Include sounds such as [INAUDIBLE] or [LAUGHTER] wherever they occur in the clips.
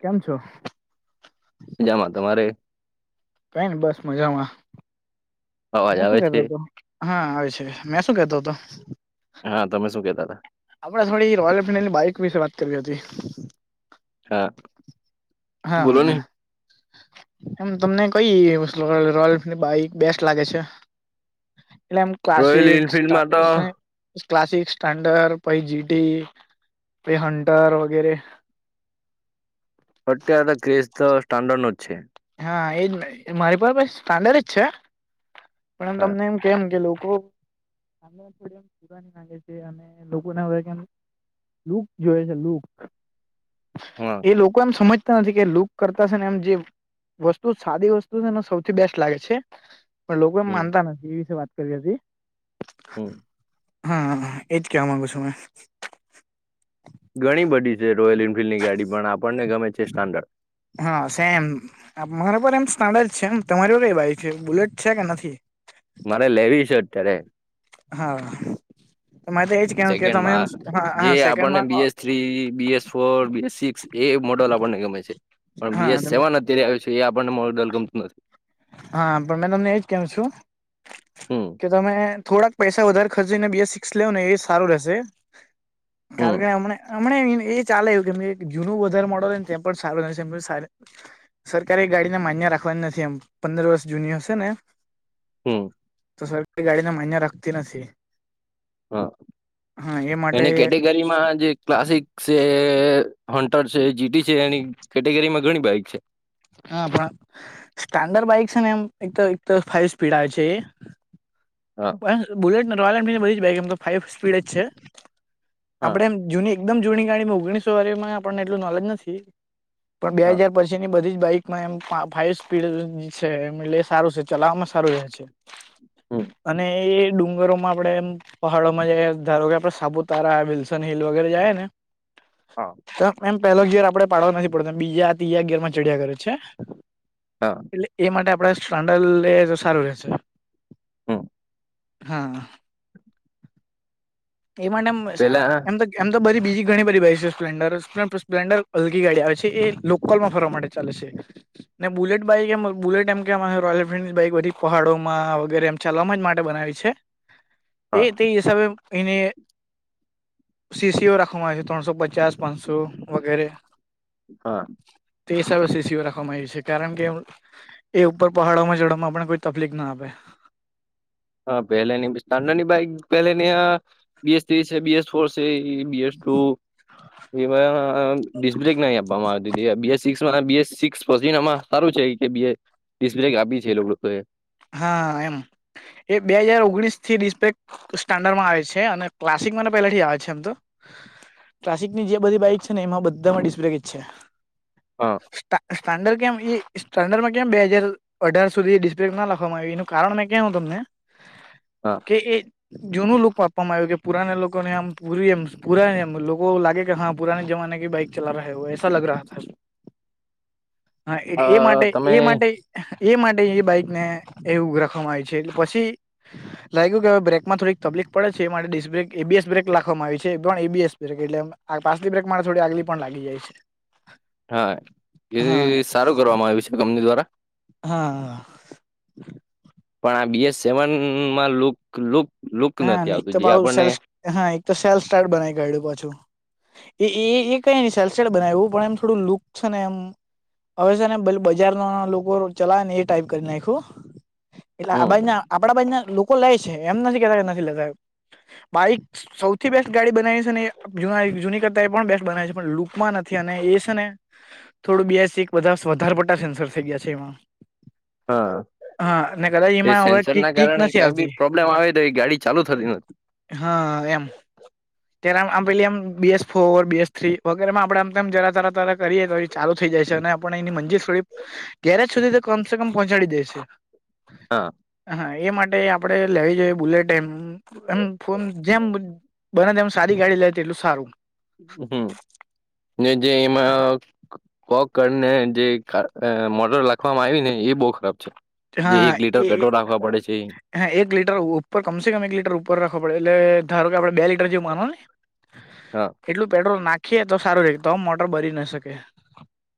કેમ છો જમાં તમારે કઈ ને બસ મજામાં અવાજ મે આવે શું છે કેતો હતો હા આવે છે મેં શું કેતો હતો હા તમે શું કેતા હતાા આપડ થોડી રોયલ એન્ફિલ્ડની બાઈક વિશે વાત કરી હતી. હા બોલો ને હા એમ તમને કઈ રોયલ બેસ્ટ લાગે છે એટલે એમ રોયલ ક્લાસિક એનફિલ્ડમાં તો ક્લાસિક સ્ટન્ડર્ડ પાઈ જીટી પ હટર વગેરે એટલે ક્રેઝ તો સ્ટન્ડર્ડ છે. હા એજ ને મારી પાસે સ્ટાન્ડડ જ છે. પણ હા તમને એમ કેમ કે લોકો એના લીધે અને લોકોને હવે કેમ લુક જોયે છે લુક. હહ એ લોકો એમ સમજતા નથી કે લુક કરતા શેને એમ જે વસ્તુ સાદી વસ્તુ છે ને સૌથી બેસ્ટ લાગે છે પણ લોકો એમ હમ માનતા નથી એ વિશે વાત કરી હતી. હમ હા, એજ કેવા માંગુ છું મે. ઘણી બધી છે રોયલ એન્ફિલ્ડની ગાડી પણ આપણને ગમે છે સ્ટાન્ડર્ડ. હા, સેમ‌. અમારા પર એમ સ્નાડ જ છે એમ તમારી કઈ બાઈક છે બુલેટ છે કે નથી? મારે લેવી છે અત્યારે હા તો માર તો એજ કેવાનું કે તમે સેકન્ડમાં જે હા આપણને સેકન્ડમાં અ BS three, B S four, B S six એ મોડલ આપણને ગમે છે. પણ હા બી એસ તમે સેવન અત્યારે આયો છે. તે આપણને મોડલ ગમતું નથી. હા પણ મે તમને એજ કેઉં છું હમ કે તમે થોડાક પૈસા વધારે ખર્ચીને બે સિક્સ લ્યો ને એ સારું રહેશે. હમ કારણ કે હમણે હમણે એ ચાલે એવું કે જૂનું વધારે મોડલ હોય ને તે એમ પણ સારું રહે છે એમ કે સારી સરકારી ગાડીને માન્ય રાખવાની નથી એમ. પંદર વર્ષ જૂની હશે ને હમ તો સરકારી ગાડીને માન્ય રાખતી નથી. હા હા એ માટે એની કેટેગરીમાં જે ક્લાસિક સે હન્ટર છે, જીટી છે એની કેટેગરીમાં ઘણી બાઈક છે. હા પણ સ્ટાન્ડર્ડ બાઈક છે ને એમ એક તો ફાઈવ સ્પીડ આવે છે એ. હા પણ બુલેટને રોયલ એફીડ બધી બાઈક એમ તો ફાઈવ સ્પીડ જ છે હા આપણે એમ જૂની એકદમ જૂની ગાડીમાં ઓગણીસો વાડીમાં આપણને એટલું નોલેજ નથી. પણ બે હા હજાર પછી જેની બધી જ બાઈકમાં એમ ફાઈવ સ્પીડ છે એમ એટલે સારું છે ચલાવવામાં સારું રહે છે. હમ અને એ ડુંગરોમાં આપણેે એમ પહાડોમાં જઈને ધારો કે આપણે સાપુતારા, વિલ્સન હિલ, વગેરે જાય ને હા. એમ એમ પેલો ઘેર આપડે પાડવો નથી પડતો બીજા ત્રીજા ઘેરમાં ચડ્યા કરે છે. હા. એટલે એ માટે આપણે સ્ટાન્ડલ લઈએ તો સારું રહેશે. [UNINTELLIGIBLE] હા. એમાં ન એમ પેલા આમ હા તો એમ તો બધી બીજી ઘણી બધ બાાઈ છે સ્પ્લેન્ડર સ્પ્લેન્ડર હલકી ગાડી આવે છે એ લોકલમાં ફરવા માટે ચાલશે. ને બુલેટ બાઈક એમ બુલેટ એમ કે માહે રોયલ એન્ફિલ્ડ બાઈક બધી ખહાડોમાં વગેરે. ચલવામાં જ માટે બનાવી છે. [INAUDIBLE] એ તે હિસાબે એને સીસીઓ રાખવામાં આવે છે ત્રણસો પચા. ચાર પાંચસો વગેરે હા તે હિસાબે સિસીઓ રાખવામાં આવી છે કારણ કે એ ઉપર પહાડોમાં જડવામાં આપને કોઈ તકલીફ ના આપે હા પહેલેની સ્ટાન્ડર્ડ ની બાઈક પેલેની અ બીસ ત્રીસે બીએસ સોર્સ છે ઇ બીએસ ટુ એવાય અ ડિસબ્રેક નહી આપવામાં આવતી તી BS six B S six પઝીનામાં હારું છે કે બીએ ડીસ બ્રેક આપી છે એ લોકો એ હા એમ એ બે હાજર ઓગણીસથી ડિસ બ્રેક સ્ટાન્ડરમાં આવે છે અને ક્લાસિકમાં ન પેલે થી આવે છે એમ તો કલાસિકની જે બધી બાઈક છે ને એમાં બધામાં ડિસ્બ્રેક જ છે. હા સ્ટા સ્ટાન્ડર કેમ એ સ્ટાડર્ડમાં કેમ બે હજાર અઢાર સુધી ડીસબ્રેક ના લાખ ખવામાં આવી એનું કારણ મે કેઉ તમને હા કે એ જૂનું લુક વાપ પવામાં આવ્યું કે પુરાને લોકોને આમ પૂરી એમ પુરા એમ લોકો લાગે કે હા પુરાને જમાને કી બાઈક ચલા રહે હો એસા લગ રહા થા હા એ અ, માટે તમે એ માટે એ માટે એ બાઈક ને એવું રાખવામાં આવી છે પછી લાયગુ કે અવે બ્રેકમાં થોડીક તપલિક પડે છે એ માટે ડિસ બ્રેક એબીએસ બ્રેક લાખવામાં આવી છે. પણ એબીએસ બ્રેક એટલે એમ પાસલી બ્રેક મારે થોડી આગલી પણ લાગી જાય છે. હા એ હા સારું કરવામાં આવ્યું છે કંપની દ્વારા હા પણ આ બી એસ સેવનમાં લુંક લુક લુક હા નથી એક આવતું તો જે પાહુ આપણને સેલ્ફ હા એતો સેલ સ્ટાર્ટ બનાવી કાયઢું પાછું એ એ એ કઈની સેલસેટ બનાયવું પણ એમ થોડું લુક છે ને એમ અવે સે ને બેલ બજાર માના લોકો રો ચલાવે ને એ ટાઈપ કરી નાયખું એટલે આ હમ બાાજના આપડા બાજના લોકો લેય છે એમ નથી કેતા કે નથી લેતા એમ બાઈકસ સૌથી બેસ્ટ ગાડી બનાયી હસે ને એ જૂના જૂની કરતાય પણ બેસ્ટ બનાયી છે પણ લુકમાં નથી અને એ સે ને થોડું બેસીક બધાસ વધારે પડતા સેન્સર થઈ ગયા છે એમાં હા હા અને કદાચ એ એમાં હવે સેન્સર કીક ના કીક કારણે નથી કાઈ બી આવતી પ્રોબ્લેમ આવે તો એ ગાડી ચાલુ થતી નથી. હા એમ ત્યારે આમ આમ પેલી આમ B S four BS three વગેરેમાં આપડે આમ તેમ જરા તરા તરા કરીએ તો એ ચાલુ થઇ જાય છે અને આપણે એની મંજિર સોડીપ ગેરેજ સુધી તો કમ સે કમ પહોંચાડી દેય છે. હા હા એ માટે આપડે લેવી જોઈએ બુલેટ એ એમ ફો જેમ બને તેમમ સારી ગાડી લેતી એટલું સારું હમ જે એમાં કોક કરીને જે કાર અ મોટર લાખવામાં આયવી ને એ બો ખરાબ છે. જે હા એક લીટર એ પેટ્રોલ રાખવા પડે છે ઈ હા એક લીટર ઉપર કમસે કમ એક લીટર ઉપર રાખવા પડે એલે ધારો કે આપડે બે લીટર જેવ માનો ની હા એટલું પેટ્રોલ નાખીએ તો સારું રેય તો મોટર બરી ન શકે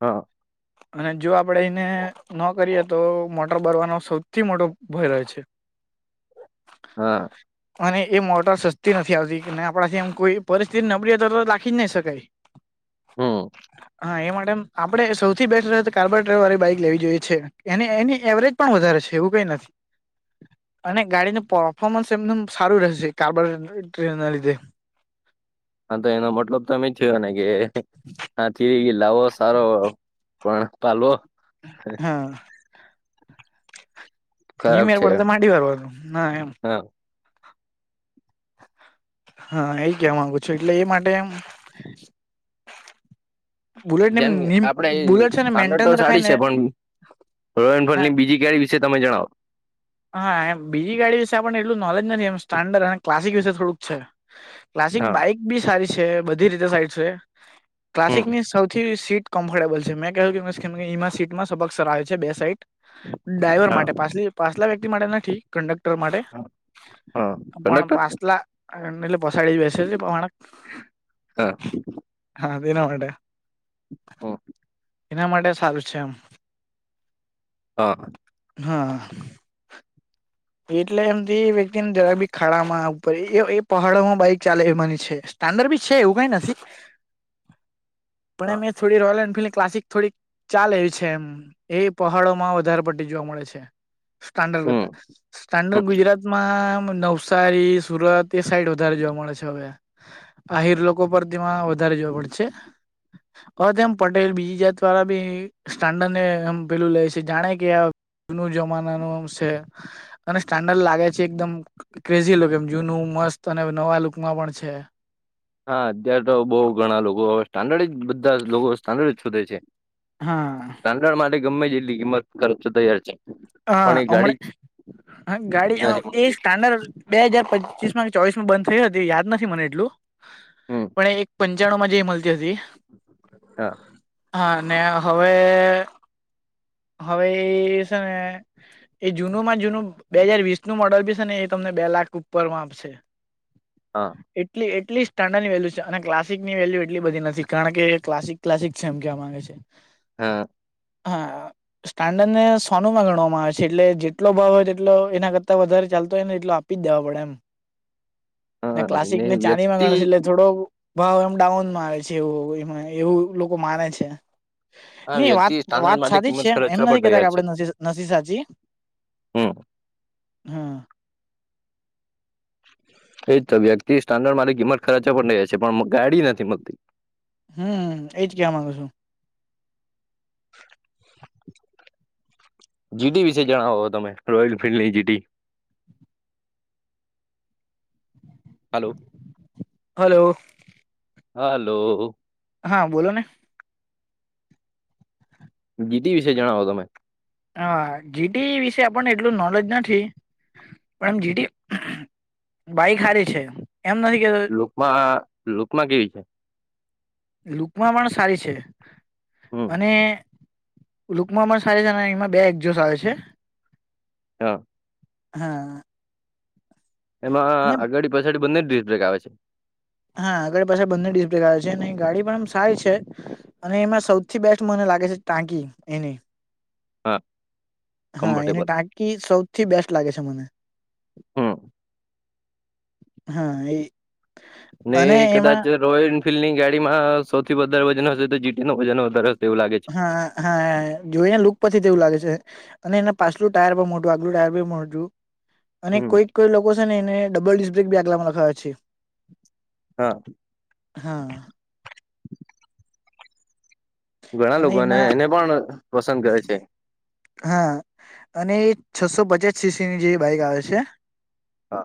હા અને જો આપડે એને નો કરીએ તો મોટ ટર બરવાનો સૌથી મોટો ભય રહે છે. હા. અને એ મોટર સસ્તી નથી આવતી ને આપડાથી એમ કોઈ પરિસ્થિતિ નબળી હોય ત તો નાખી જ નય શકાય હ હા એ માટે આપડે સૌથી બેસ્ટ કાર્બર ટ વાી બાઈક લેવી જોઈએ છે એને એની એવરેજ પણ વધારે છે એવું કઈ નથી અને ગાડીનું પરફોર્મન્સ એમનુ સારું રહેશે કારબ ટ્રેન ના લીધે હા તો એનો મતલબ તો એમે થયો ને કે હા થી લાવો સારો પણ પાલવો હા. નિ ખરાબ મેળ છે પડે તો માડી વાળવાનો ના એમ હા હા એ કેવા માંગુ છું એટલે એ માટે એમ બુલેટ ને જેમ આપડે બુલેટ છે ને પાગત તો મેન્ટેન રખાય સાડી ને છે પણ રોય એફિલ્ડની બીજી કેવી વિશે તમે જણાવો. હા એમ બીજી ગાડી વિશે આપણને એટલું નોલેજ નથી એમ સ્ટાન્ડર્ડ અને ક્લાસિક વિશે થોડુંક છે ક્લાસિક હા બાઈક બી સારી છે બધી રીતે સાઈડ છે ક્લાસિક હમ ની સૌથી સીટ કમ્ફર્ટેબલ છે મેં કહ્યું કે એમાં સીટમાં સબક્ક રાવે છે બે સાઈટ ડ્રાઈવર હા માટે પાછલી પાછલા વેક માટે નથી કંડક્ટર માટે હા પણ કંડક્ટર પાસ્લા હા એટલે એમ પસાડી દેશે એ પ્રમાણે હા હા તેના માટે હા. એના માટે સારું છે એમ. હા. હા. એટલે એમથી વ્યક્તિને જરા બી ખાડા માં આવ પડે એ પહાડો માં બાઈક ચાલે એમા ની છે. સ્ટાન્ડર્ડ બી છે એવું કંઈ નથી. પણ એ હા મે થોડી રોયલ એનફિલ્ડ ક્લાસિક થોડીક ચાલે એવી છે એમ એ પહાડો માં વધારે પડટી જોવા મળે છે સ્ટાન્ડડ કરતા હમ હમ સ્ટાન્ડર્ડ ગુજરાતમાં મ નવસારી સુરત એ સાઈડ વધારે જોવા મળે છે હવે આહિર લોકો લોકો પર તેમાં વધારે જોવા પડશે હવે તેમ પટેલ બીજી જાત દ્વારા બી સ્ટાન્ડર્ડ ને એમ પેલું લે છે જાણે કે શુ જમાનાનું આમ છે અને સ્ટાન્ડર્ડ લાગે છે એકદમ ક્રેઝી લુક એમ જૂનું મસ્ત અને નવા લુકમાં પણ છે હા અત્યારે તો બહુ ઘણા લોકો હવે સ્ટાન્ડર્ડ બધા લોકો સ્ટાર્ડજ શોધે છે. હા. સ્ટાન્ડર્ડ માટે ગમે એટલી કિંમત ખર્ચ તૈયાર છે. પણ હા એ ગાડી જ હમણા ગાડી આ નથી એ મળતી સ્ટાન્ડર્ડ બે હાજાર પચીસ માં ચોવીસમાં બંધ થયું હતું યાદ નથી મને એટલું હમ પણ એક પંચાણુમાં જે એ મળતી હતી હા. હા ને હવે હવે ઈ છે ને એ જૂનું માં જૂનું બે હજાર વીસ નું મોડલ ભી છે ને એ તમને બે લાખ ઉપરમાં આપશે. હા. એટલી એટલી સ્ટાન્ડર્ડની વેલ્યુ છે અને ક્લાસિકની વેલ્યુ એટલી બધી નથી કારણ કે ક્લાસિક ક્લાસિક છે એમ કેવા માંગે છે. હા. હા સ્ટાન્ડર્ડને સોનું લગાડવામાં હોય છે એટલે જેટલો ભાવ હોય તેટલો એના કરતા વધારે ચાલતો હોય ને એટલો આપી જ દેવા પડે એમ ને હા ક્લાસિક ને ચાંદી માં વ્યક્તિ ગણશે એટલે થોડો ભાવ એમ ડાઉન માં આવે છે એવું એવું લોકો માને છે. હા નઈ વાત વ્યક્તિ સ્ટાન્ડર્ડ વાત માટે સાદીી જ છે કિંમત એમ ખર્ચવા પણ નથી કેતા કે તૈયાર છે આપડે સા તે હમ હમ્મ. એજ તો વ્યક્તિ સ્ટાન્ડર્ડ માની કિંમત ખર્ચે પણ એસી માં પણ ગાડી નથી મળતી. હમ્મ એજ કેવા માંગુ છું. જીટી વિશે જણાવો તમે રોયલ એન્ફિલ્ડ ની જીટી હલો હલો હલો હા બોલો ને જીટી વિશે જણાવો તમે હ જીટી વિશે આપણને એટલું નોલેજ નથી પણ એમ જીટી બાઈક હારી છે એમ નથી કેતો લૂકમાં લુકમા કેવી છે લુકમાં પણ સારી છે હમ અને લુકમાં પણ સારી છે અને એમાં બે એક્જો સ આવે છે હ હા અને એમાં આગાડી પછાડી બંને જ ડિસ્ બ્રેક આવે છે હા આગળ પછાડ બંને ડિસ્પ્લે ખા છે ગાડી પણ આમ સારી છે અને એમાં સૌથી બેસ્ટ મને લાગે છે ટાંકી એની હા હા એને કમ્ફર્ટેબલ ટાંકી સૌથી બેસ્ટ લાગે છે મને હમ હા એ ને અને એ એમાં કદાચ રોયલ એનફિલ્ડ ની ગાડીમાં સૌથી વધારે વજન હશે તો જીટી નું વજન વધારે હશે એવું લાગે છે હા હા જોઈ ને લુક પછી તેવું લાગે છે અને એના પાછલું ટાયર પણ મોટું આગલું ટાયર બી મોટું અને હમ કોઈક કોઈ લોકો છે ને એને ડબલ ડિસ્ક બ્રેક બી આગલામાં લખાવે છે હ હા ઘણા અને લોકોને એમાં એને પણ પસંદ કરે છે હા અને છસો પચાસ સીસીની જે બાઈક આવે છે હ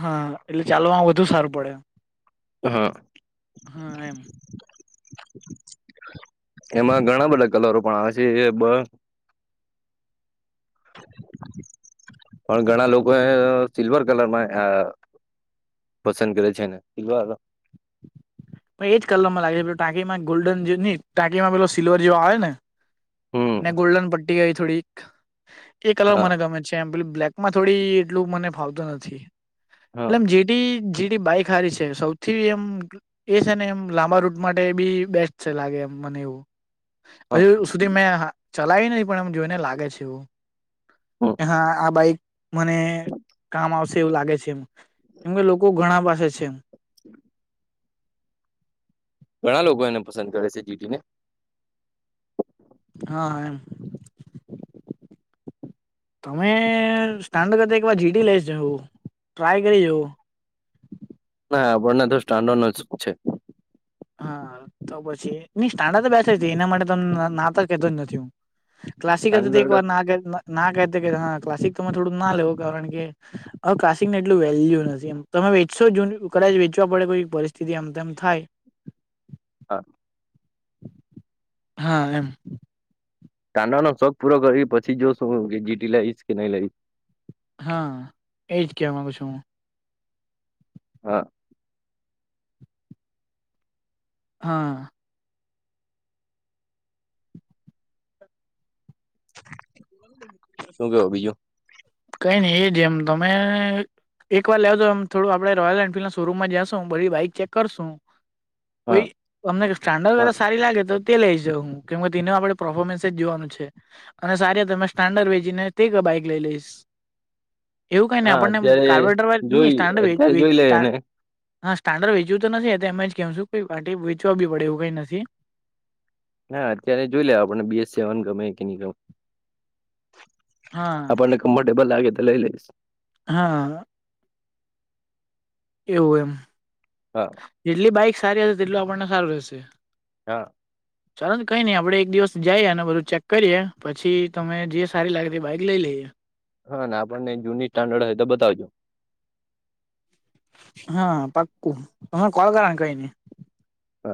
હા એટલે ચાલવામાં વધુ સારું પડે હ હ એમ એમાં ઘણા બધા કલરો પણ આવે છે એ બ પણ ઘણા લોકો એ સિલ્વર કલરમાં અ પસંદ કરે છે ને પ પણ એ જ કલરમાં લાગે છે પેલો ટાંકીમાં ગોલ્ડન જે ન ટાંકીમાં પેલો સિલ્વર જેવ આવે ને હમ ને ગોલ્ડન પટ્ટી હોય થોડીક તે કલર હા મને ગમે છે એમ પેલી બ્લેકમાં થોડી એટલું મને ફાવતું નથી હા એટલે જે જીડી બાઈક હારી છે સૌથી એમ એ છે ને એમ લાંબા રૂટ માટે બી બેસ્ટ છે લાગે એમ મને એવું હા હજુ સુધી મેં ચલાવી નથી પણ એમ જોઈને લાગે છે એવું હમ કે હ આ બાાઈક મને કામ આવશે એવું લાગે છે એમ કેમ કે લોકો ઘણા પાસે છે એમ ઘણા લોકો એને પસંદ કરે છે જીટી ને હ એમ તમે સ્ટાન્ડ કર એકવાર જીટી લઈ જવું ટ્રાય કરી જવ ના આપણને તો સ્ટાન્ડર નો જ છે હા તો પછી ન સાન્ બેઠ એના માટે ત નાતો કેતો જ નથી હું ક્લાસિક હતી એક સ્ટાન્ડર્ડ વાર ના ના કા ક્લાસિક તોરે થોડુંક ના લેવો કારણ કે હ કાસિકને એટલું વેલ્યુ નથીમ તમે વેચશો જ કદાચ વેચવા પડે કોઈ પરિસ્થિતિ આમમ થાય હા હા એમ ટાંડાનો શોખ પૂરો કર કરી પછી જો શું જીટી લાવશ કે નહી લાવશ હા એજ ક માંગુ છું હું હા હા શું કેવો બીજું કઈ નઈ એ જેમ તમે એક વાર લાવજોમ થોડ આપે રોલ એફિલ્ડ શોરૂમમાં જશું બધી બાઈક ચેક કરશું કોઈ હા અમને સ્ટાન્ડર્ડ વ પણ સારી લાગે તો તે લઈ જાઉ હું કેમ કે તેને આપણે પર્ફોર્મન્સ જ જોવાનું છે અને સારી તમે સ્ટાન્ડર્ડ વેચી ને તે બાઈક લઈ લઈશ એવું કઈ નહી હા આપણને અત્યારે કાર્પેટર ન જોઈ સ્ટાન્ડ અત્યારે જોઈ લે ને હા સ્ટન્ડર્ડ વેચવ્યું તો નથી એ એમજ જ કેમુંઈ પાર્ટ વેચવા બી પડે એવ કઈ નથી હા અત્યારે જોઈ લ આપડ બએસ સેવન ગમે કે નહી ગમે હા આપણને કમ્ફર્ટેબલ લાગે તો લઈ લઈશ હા એવું એમ હા જેટલી બાઈક સારી હશે તેટલું આપણને સારું રહેશે હા ચાલો ને કઈ નઈ આપડે એક દિવસ જઈએ અનેને બધું ચેક કરીએ પછી તમે જે સારી લાગે તે બાઈક લઈ લઈએ હા ને આપણને જૂની સ્ટન્ડર્ડ હોય તો બતાવજો હા પાક્કુ તમેને કોલ કર કહીને